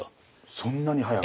そんなに速く。